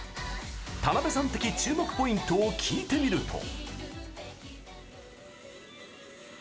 田辺さん的注目ポイントを聞いてみると。